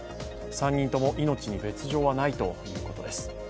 ３人とも命に別状はないということです。